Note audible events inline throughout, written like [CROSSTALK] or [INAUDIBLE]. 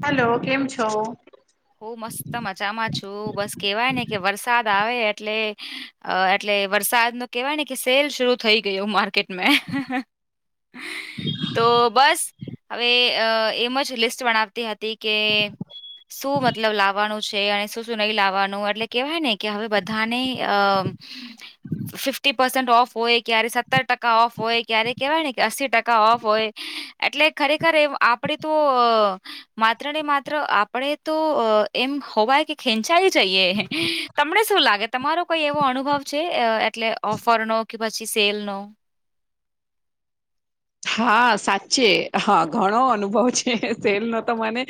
Hello કેમ છો. હું મસ્ત મજામાં છું બસ કેવાય ને કે વરસાદ આવે એટલે. અ એટલે વરસાદ નુ કેહેવાય ને કે સેલ શરૂ થઈ ગયો માર્કેટ. તો બસ. હવે અ એમ જ લિસ્ટ બનાવતી હતી કે. શું મતલબ લાવવાનું. છે અને શું શું નહી લાવવાનું એટલે કેવાય ને કે હવે બધાને અ. હમ્મ ફિફ્ટી પર્સેન્ટ ઓફ હોય ક્યારે સત્તર ટકા ઓફ હોય ક્યારે કહેવાય ને કે અસ્સી ટકા ઓફ હોય. એટલે ખરેખર આપણે તો માત્ર ને માત્ર આપણે. તો એમ હોવાય કે ખેંચાઈ જઈએ તમને શું લાગે તમારો. કોઈ એવો અનુભવ છે એટલે ઓફર નો કે પછી સેલ નો. હા સાચે હા ઘણો અનુભવ છે સેલ નો તો મને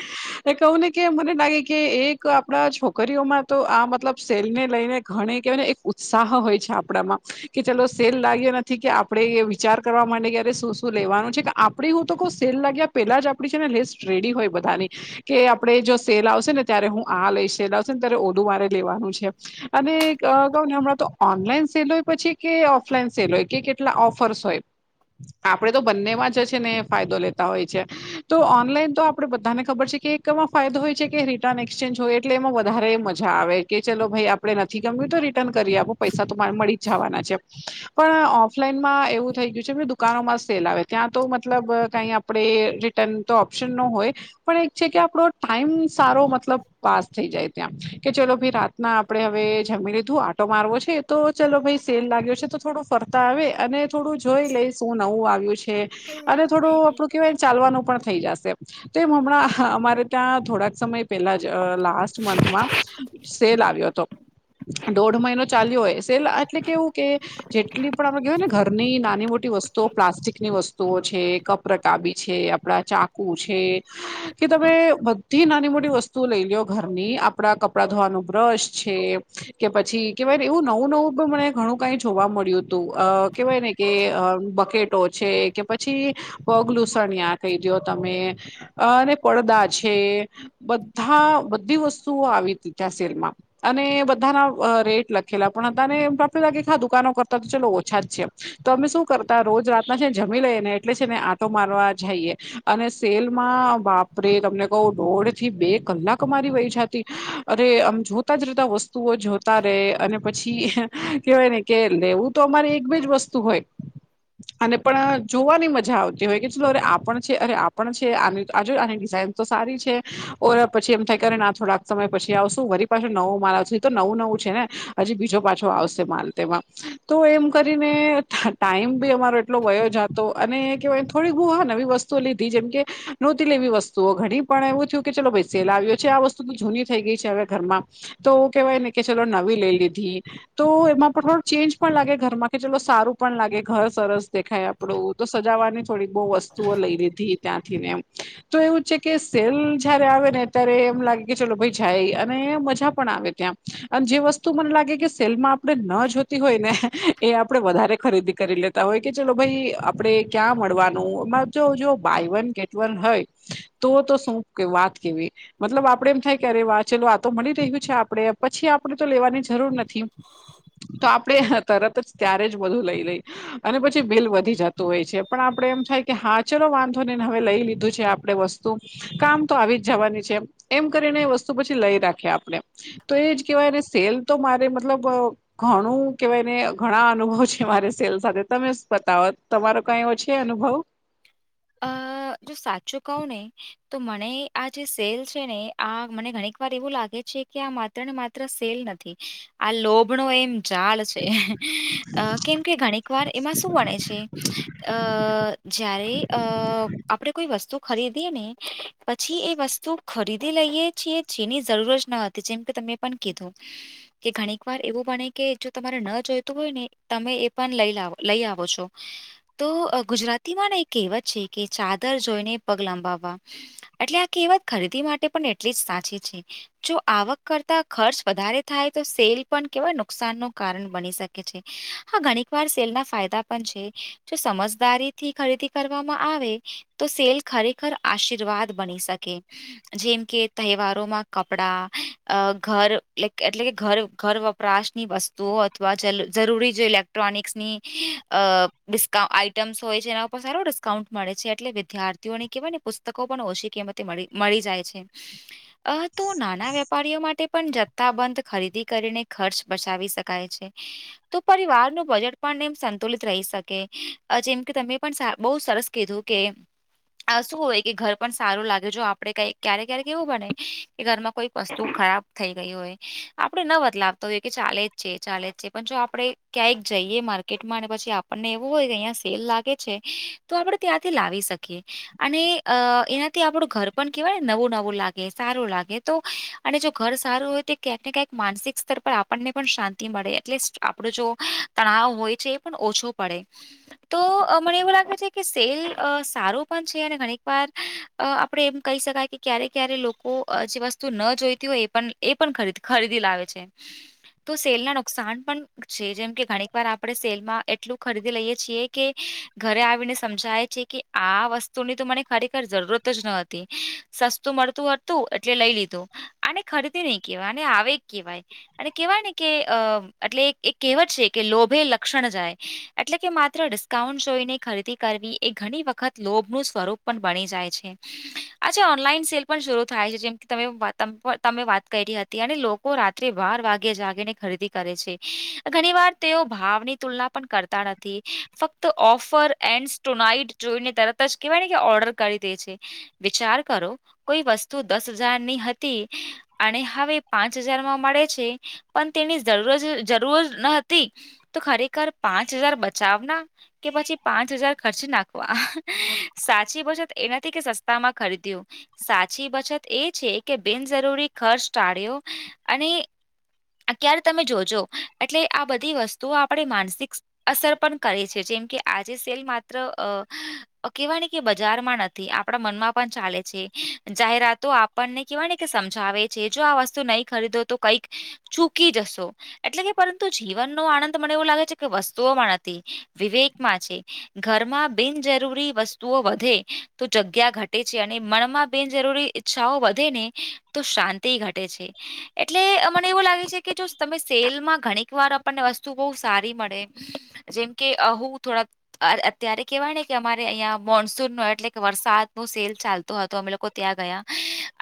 એ કહું ને કે મને લાગે કે એક આપણા છોકરીઓમાં તો આ મતલબ સેલ ને લઈને ઘણી કે ઉત્સાહ હોય છે આપડામાં કે ચલો સેલ લાગ્યો નથી કે આપણેે વિચાર કરવા માટે કે અરે શુ શુ શું લેવાનું છે કે આપડી હું તો કઉ સેલ લાગ્યા પેલા જ આપડી છે ને લિસ્ટ રેડી હોય બધાની કે આપણેે જો સેલ આવશે ને ત્યારે હું આ લઈ સેલ આવશે ને ત્યારે ઓલુ મારે લેવાનું છે અને કહઉ ને હમણાં તો ઓનલાઈન સેલ હોય પછી કે ઓફલાઈન સેલ હોય કે કેટલા ઓફર્સ હોય આપણેે તો બંનેમાં જ છે ને ફાયદો લેતા હોય છે તો ઓનલાઈન તો આપણેે બધાને ખબર છે કે એકમાં ફાયદો હોય છે કે રિટર્ન એક્સચેન્જ હોય એટલે એમાં વધારે મજા આવે કે ચલો ભાઈ આપડે નથી ગમ્યું તો રી રિટન કરિ આપો પૈસા તો ભાઈ મળી જ જવાના છે પણ ઓફલાઈનમાં એવું થઈ ગયું છે કે દુ દુકાનોમાં સેલ આવે ત્યાં તો મતલબ કઈ આપણે રિટર્ન તો ઓપ્શન નો હોય પણ એક છે કે આપણો ટાઈમ સારો મતલબ પાસ થઈ જાય ત્યાં કે ચલો ભી રા ના આપણે હવે જમી લીધું આટો મારવો છે તો ચલો ભાઈ સેલ લાગ્યો છે તો થોડો ફરતા આવે અને થોડું જોઈ લઈ શું નવું આવ્યું છે અને થોડું આપડું કેવાય ચાલવાનું પણ થઈ જશે તો એમ હમણાં અમારે ત્યાં થોડાક સમય પહેલા જ લાસ્ટ મંથમાં સેલ આવ્યો હતો દોઢ મહિનો ચાલ્યો હોય સેલ એટલે કેવું કે જેટલી પણ આપમે કેવાય ને ઘરની નાની મોટી વસ્તુ તો પ્લાસ્ટિક ની વસ્તુઓ છે કપ રકાબી છે આપડા ચાકુ છે કે તમે બધી નાની મોટી વસ્તુ લઈ લ્યો ઘરની આપડા કપડા ધોવાનું બ્રશ છે કે પછી કેવાય ને એવું નવું નવું પણ મને ઘણું કઈ જોવા મળ્યું હતું અ કવાય ને કે બસકેટો છે કે પછી પગલુંછણીયા કહી દો તમે અ અને પડદા છે બધા બધી વસ્તુઓ આવી તી ત્યાં સેલમાં અને બધાના અ રેટ લખેલા પણ તને ફક્ત લાગે હા દુકાનો કરતા તો ચલો ઓછા જ છે તમે શું કરો? તા રોજ રાતના છે ને જમી લઈએ ને એટલે છે ને આટો મારવા જઈએ અને સેલ માં બાપ બાપરે તમને કવ દોઢ થી બે કલાક મારી વહિ જાતી અરે આમ જો જોતા જ જોતા વસ્તુઓ જોતા રે અને પછી કહેવાય ને કે લેવું તો અમારે એક બેજ વસ્તુ વસ્તુ હોય. અને પણ જોવાની મજા આવતી હોય કે ચલો અરે આપણ છે, અરે આપણ છે આજો આની ડિઝાઇન તો સારી છે ઓલા પછી એમ થાય કરને ના થોડાક સમય પછી આવશું વરી પાછી નવું માલ આવશે એ તો નવું નવું છે ને હજી બીજો પાછો આવશે માલ તેમાં તો એમ કરીને ટાઈમ બી અમારો એટલો વયો જતો અને કેવાય થોડીક બુ નવી વસ્તુઓ લીધી જેમકે નોતી લેવી વસ્તુઓ ઘણી પણ એવું થયું કે ચલો ભાઈ સેલ આવ્યો છે આ વસ્તુ તો જૂની થઈ ગઈ છે હવે ઘરમાં તો કેહેવાય ને કે ચલો નવી લઈ લીધી. તો એમાં પણ થોડો ચેન્જ પણ લાગે ઘરમાં કે ચલો સારું પણ લાગે ઘર સરસ દેખાય આપડું તો સજાવાની થોડીક બો વસ્તુઓ લઈ લીધી ત્યાંથી ને એમ. તો એવું છે કે સેલ જયારે આવે ને ત્યારે એમ લાગે કે ચલો ભાઈ જાય અને મજા પણ આવે ત્યાં. અને જે વસ્તુ મને લાગે કે સેલમાં આપણે ન જોતી હોય ને એ આપણેે વધારે ખરીદી કરી લેત. લેતા હોય કે ચલો ભાઈ આપણે ક્યાં મળવાનું એમાં જો જો બાય વન ગેટ વન હોય તો તો શું પ કે વાત કેવી? મતલબ આપડે એમ થાય કે અરે વા ચાલો આ તો મળી રહ્યું છે આપડે પછી આપણે તો લેવાની જરૂર નથી. તો આપણે તરત જ ત્યારે જ બધું લઈ લઈએ. અને પછી બિલ વધી જતું હોય છે પણ આપણે એમ થાય કે હા ચલો વાંધો નય ને હવે લઈ લીધું છે આપણે વસ્તુ કામ તો આવી જ જવાની છે એમ કરીને એ વસ્તુ પછી લઈ રાખયે આપણે. તો એ જ કેવાય ને સેલ તો મારે મતલબ અ ઘણું કેવાયને ઘણા અનુભવ છે મારે સેલ સાથે તમે જ બતાવો તમારો કઈ છે એવો અનુભવ. અ જો સાચું કવ ને તો મને આ જે સેલ છે ને આ મને ઘણીક વાર એવું લાગે છે કે આ મા માત્ર ને માત્ર સેલ નથી આ લોભ નો એમ ચાલ છે અ કેમ કે ઘણીક વાર એમાં શું વણે છે. અ જયારે અ આપણે કોઈ વસ્તુ ખરીદીએ ને પછી એ વસ્તુ ખરીદી લઈએ છીએ જેની જરૂર જ ન હતી જેમ કે તમે પણ કિધું કે ઘણીક વાર એવું બને કે જો તમારે ન જોઈતું હોય ને તમે એ પણ લઈ લાવો. લઈ આવો છો તો અ ગુજરાતીમાં ને કહેવત છે કે ચાદર જોઈને પગ લંબાવવા એટલે આ કેહવત ખરીદી માટે પણ એટલી જ સાચી છે. જો આવક કરતા ખર્ચ વધારે થાય તો સેલ પણ કેવાય નુકસાન નું કારણ બની શકે છે. હા ઘણીક વાર સેલ ના ફાયદા પણ છે જો સમજદારીથી ખરીદી કરવામાં આવે તો સેલ ખરેખર આશીર્વાદ બની શકે. જેમ કે તહેવારોમાં કપડા અ ઘર એટલે કે ઘર ઘર વપ વપરાશની વસ્તુઓ અથવા જલ જરૂરી જે ઇલેક્ટ્રોનિક્સની અ ડિસ્કા આઈટમ્સ હોય છે એના પણ સારો ડિસ્કાઉન્ટ મળે છે એટલે વિદ્યાર્થીઓને કેહવાય ને પુસ્તકો પણ ઓછી કિંમતે મળી જાય છે. [INAUDIBLE] અ તો નાના વેપારીઓ માટે પણ જથ્થાબંધ ખરીદી કરીને ખર્ચ બચાવી શકાય છે. તો પરિવાર નું બજેટ પણ એમ સંતુલિત રહી શકે અહ જેમ કે તમે પણ સા બઉ સરસ કીધું કે અહ શું હોય કે ઘર પણ સારું લાગે જો આપડે કઈ ક્યારે ક્યારેક એવું બને કે ઘરમાં કોઈક વસ્તુ ખરાબ થઈ ગય હોય આપડે ન બદલાવતો હોય કે ચાલે જ છે ચાલે જ છે પણ જો આપડે ક્યાંયક જઈએ માર્કેટ માં અને પછી આપણને એવું હોય કે અહીંયા સેલ લાગે છે. તો આપડે ત્યાંથી લાવી શકીએ અને અહ એનાથી આપડું ઘર પણ કેહેવાય નવું નવું લાગે સારું લાગે તો અને જો ઘર સારું હોય તો ક્યાંક ને ક્યાંક માનસિક સ્તર પર આપ પણને પણ શાંતિ મળે એટલીસ્ટ આપડો જો તણાવ હોય છે એ પણ ઓછો પડે. તો અહ મને એવું લાગે છે કે સેલ અહ સારો પણ છે અને ઘણીક વાર અહ આપડે એમ કહી શકાય કે ક્યારે ક્યારે લોકો અહ જે વસ્તુ ન જોઈતી હોય એ પણ એ પણ ખદ ખરીદી લાવે છે. તો સેલ ના નુકસાન પણ છે જેમ કે ઘણીક વાર આપડે સેલમાં એટલું ખરીદી લઈએ છીએ કે ઘરે આવીને સમજાય છે કે આ વસ્તુ ની તો મને ખરેખર જરૂરત જ ન હતી. સસ્તું મળતું હતું એટલે લઈ લીધું આને ખરીદી નહીં કેવા અને આવે કેવાય. અને કેહેવાય ને કે અહ એટલે એક કહેવત છે કે લોભે લક્ષણ જાય એટલે કે માત્ર ડિશ કાઉન્ટ જોઈને ખરીદી કરવી એ ઘણી વખત લોભનું સ્વરૂપ પણ બની જાય છે. અચ્છા ઓનલાઈન સેલ પણ શરૂ થાય છે જેમ કે તમે વ તમપ તમે વાત કરી હતી અને લોકો રાત્રે બાર વાગે જાગીને ખરીદી કરે છે. ઘણી વાર તેઓ ભાવની તુલના પણ કરતા નથી ફક્ તો ઓફર એન્ડસ ટુ નાઈટ જોઈને તરત જ કહેવાય ને કે ઓર્ડર કરી દે છે. વિચાર કરો કોઈ વસ્તુ દસ હજારની હતી અને હવે પાંચ હજારમાં મળે છે પણ તેની જરૂર જરૂર જ ના હતી તો ખરેખર પાંચ હજાર બચાવ ના કે પછી પાંચ હજાર ખર્ચ નાખવા સાચી બચત એના થી કે સસ્તા માં ખરીદ્યું સાચી બચત એ છે કે બિનજરૂરી ખર્ચ ટાળ્યો અને ક્યારે તમે જોજો એટલે આ બધી વસ્તુઓ આપડે માનસિક અસર પણ કરે છે જેમ કે આજે સેલ માત્ર અહ અહ કવાની કે બજારમાં નથી આપડા મનમાં પણ ચાલે છે જાહેરાત તો આપણને કેવાય ને કે સમજાવે છે જો આ વસ્તુ નહી ખરીદો તો કઈક ચૂકી જશો. એટલે કે પરંતુ જીવનનો આનંદ મને એવું લાગે છે કે વસ્તુઓમાં નથી વિવેકમાં છે. ઘરમાં બિનજરૂરી વસ્તુઓ વધે તો જગ્યા ઘટે છે અને મણમાં બિનજરૂરી ઈચ્છાઓ વધે ને તો શાંતિ ઘટે છે એટલે અમાં એવું લાગે છે કે જો તમે સેલમાં ઘણી વાર આપણને વસ્તુ બહુ સારી મળે જેમ કે અહું થોડા આ અત્યારે કેહેવાય ને કે અમારે અહીં મોન્સૂન નો એટલે કે વરસાદ નો સેલ ચાલતો હતો અમે લોકો ત્યાં ગયા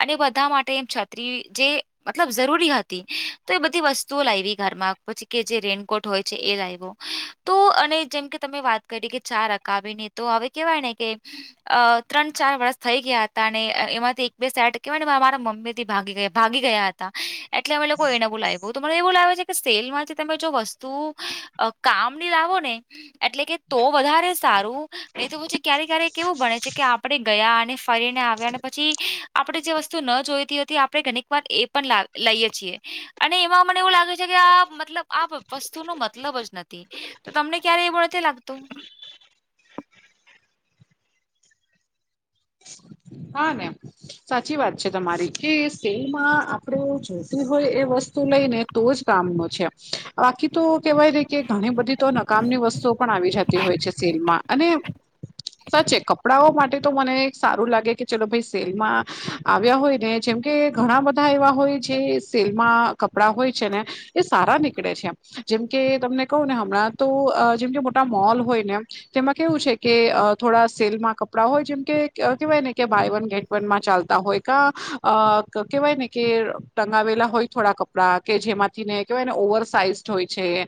અને બધા માટે એમ છત્રી જે મતલબ જરૂરી હ તે તો એ બધી વસ્તુઓ લાયવી ઘરમાં પછી કે જે રેનકોટ હોય છે એ લાયવો. તો અને જેમ કે તમે વાત કરી કે ચા રકાવીને તો હવે કેવાય ને કે અહ ત્રણ ચાર વર્ષ થઈ ગયા હતા અને એમાંથી એક બે સેડ કવાય મારા મમ્મી તી ભાગી ગયા ભાગી ગયા હતા એટલે અમે લોકો એને બુલાવો તો મને એવું લાગે છે કે સેલમાંથી તમે જો વસ્તુ કામ ની લાવો ને એટલે કે તો વધારે સારું એ તો પછી ક્યારેક ક્યારેક એવું બને છે કે આપડે ગયા અને ફરીને આવ્યા અને પછી આપડે જે વસ્તુ ન જોઈતી હતી આપડે ઘણીક વાર એ પણ લાવ લઈએ છીએ, અને એમાં મને એવું લાગે છે કે, આ મતલબ આ વસ્તુનો મતલબ જ નથી. તો તમને ક્યારે એ, તે લાગતું. હા ને. સાચી વાત છે તમારી, કે સેલમાં આપણેે જોતી હોય, એ વસ્તુ લઈને. તો જ કામ નુ છે, બાકી તો કેવાય ને, કે ઘણી બધી તો નકામની વસ્તુઓ પણ આવી જત હોય છે, સેલમાં અને સાચે કપડાઓ માટે તો મને સારું લાગે. કે ચલો ભાઈ, સેલમાં આવ્યા હોય ને, જેમ કે ઘણા બધા એવા હોય, જે સેલમાં કપડાં હોય છે ને. એ સારા નીકળે છે, જેમકે તમને કહું ને, હમણાં તો જેમકે મોટા મોલ હોય ને. તેમાં કેવું છે કે, થોડા સેલમાં કપડા હોય, જેમ કે કેવાય ને કે બાય વન ગેટ વન માં ચાલતા હોય, કા અ કેવાય ને કે, ટંગાવેલા હોય થોડા કપ કપડા કે જેમાંથી ને કેવાયને, ઓવર સાઇઝડ હોય છે,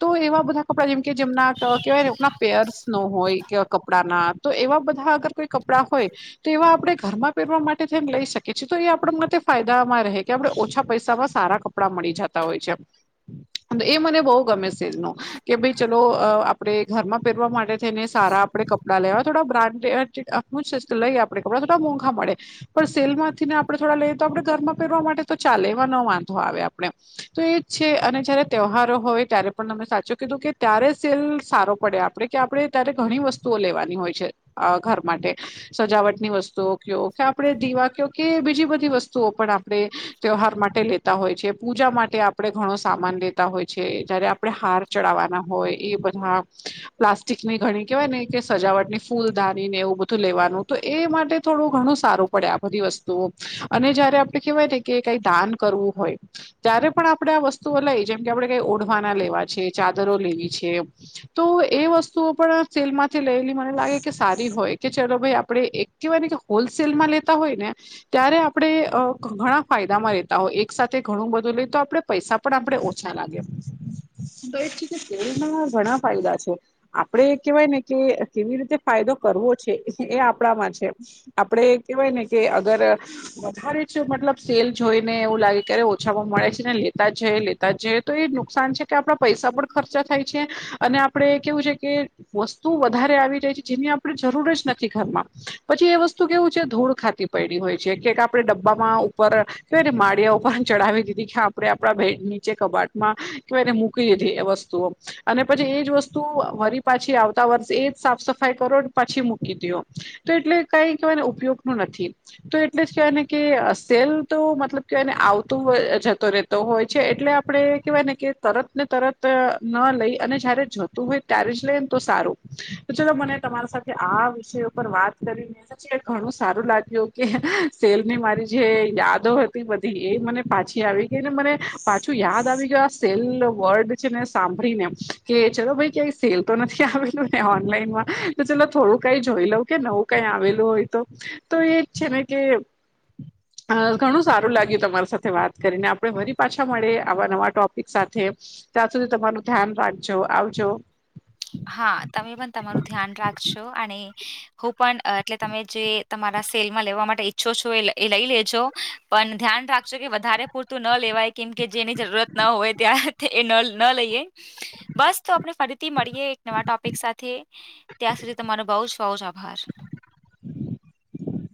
તો એવા બધા કપડા જેમ કે જેમના કેવાયના પેયર્સ નો હોય કે, કપડા ના તો એવા બધા અગર કોઈ કપડાં હોય. તો એવા આપણેે ઘરમાં પહેરવા માટે જેમ લઈ શકીએ છીએ, તો એ આપણે માટે ફાયદામાં રહે, કે આપણે ઓછા પૈસામાં સારા કપ કપડા મળી જતા હોય છે, એ મને બહુ ગમે છે. કે ભાઈ ચલો, આપડે ઘરમાં પહેરવા માટે થઈને, સારા આપડે કપડા લેવા. થોડા [UNINTELLIGIBLE] આપણે કપડા થોડા મોંઘા પડે, પણ સેલમાંથી ને આપણે થોડા લઈએ, તો આપણે ઘરમાં પહેરવા માટે તો ચાલે, એવા ન વાંધ આવે, આપણે તો એ જ છે, અને જયારે તહેવાાર હોય, ત્યારે પણ તને સાચો કીધું કે, ત્યારે સેલ સારો પડે. આપણે ત્યારે ઘણી વસ્તુઓ લેવાની હોય છે, ઘર માટે સજાવટ. ની વસ્તુઓ કે, આપણે દીવા કે, બીજી બધી વસ્તુઓ પણ આપણે ત્યોહાર માટે લે. તા હોય છે, પૂજા માટે આપણે ઘણો સામાન લેતા હોય છે, જયારે આપણે હાર ચડાવવાના હોય એ બધા. હા, પ્લાસ્ટિકની ઘણી કેવાય ને કે, સજાવટ ની ફૂલ દાની ને, એવું બધું લેવાનું હોય. એ માટે થોડું ઘણું સારું પડે, આ બધી વસ્તુઓ અને જયારે આપણે કેહેવાય. કે કઈ દાન કરવું હોય, ત્યારે પણ આપણેે આ વસ્તુઓ લઈ, જેમ કે આપણે કાઈ વાના લેવા છે, ચાદરો લેવી છે. તો એ વસ્તુઓ પણ સેલ માંથી લેવી હોય, મને લાગે કે સારી હોય, કે ચલો ભાઈ આપણે એક કહેવાય ને, કે હોલસેલ માં લેતા હોય ને. ત્યારે આપણે ઘણા અ ફાયદામાં લેતા હોય, એક સાથે ઘણું બધું લઈ તો આપડે પૈસા પણ આપણે ઓછા લાગ્યા તો એ છે કે, સેલમાં ઘણા ફાયદા છે. આપડે કેહેવાય ને કે, કેવી રીતે ફાયદો કરવો છે, એ આ આપડામાં છે, આપડે કેવાય ને કે, અગર વધારે છે, મતલબ સેલ જોઈ ને એવું લાગે, ક્યારે ઓછામાં મળે છે ને, લેતા જે જે તો એ નુકસાન છે કે, આપણા પૈસા પણ ખર્ચા થાય છે, અને આપડે કેવું છે કે? વસ્તુ વધારે આવી રહી છે, જેની આપણે જરૂર જ નથી ઘરમાં. પછી એ વસ્તુ કેવું છે, ધૂળ ખાતી પડ હોય છે કે, આપણે ડબ્બામાં ઉપર કે એને માળિયા ઉપર ચઢાવી દીધી કે, આપડે આપડા ભેડ નીચે કબાટમાં કેય એને કધ વસ્તુઓ અને પછી એજ વસ્તુ વરી પાછી આવતા વર્ષે એજ સાફ સફાઈ કરો, પછી મૂકી દો. તો એટલે કઈ કહેવાયને, ઉપયોગ નું નથી. તો એટલે જ કહેવાય ને, કે સેલ તો મતલબ કેવાયને આવતો જતો રહે. તો હોય છે, એટલે આપણે કેહેવાય ને કે, તરત ને તરત ન લઈ અને જયારે જો હોય, ત્યારે જ લઈ ને, તો સારું તો ચાલ, મને તમારા સાથે આ વિષય પર વાત કરીને ઘણું સારું લાગ્યું કે, સેલ ની મારી જે યાદો હતી. એ મને પાછી આવી ગઈ ને મને પાછું યાદ આવી આ સેલ વર્ડ છે ને સાંભળીને કે ચલો ભાઈ ક્યાંઈ સેલ તો નથી આવેલું ઓનલાઈનમાં તો ચાલ થોડું કઈ જોઈ લઉં કે નવું કઈ આવેલું હોય તો તો એ જ છે ને કે અ ઘણું સારું લાગ્યું તમારી સાથે વાત કરીને આપડે ફરી પાછા મળે આવા નવા ટોપિક સાથે ત્યાં સુધી તમારું ધ્યાન રાખજો આવજો હા તમે પણ તમારું ધ્યાન રાખજો અને હું પણ એટલે તમે જે તમારા સેલમાં લેવા માટે ઈચ્છો છો એ લઈ લેજો પણ ધ્યાન રાખજો કે વધારે પૂરતું ન લેવાય કેમ કે જેની જરૂરત ના હોય ત્યાં થે એ નલ ન લઈએ બસ તો આપણે ફરીથી મળીએ નવા ટોપિક સાથે ત્યાં સુધી તમારો બઉ જ બઉ જ આભાર [INAUDIBLE]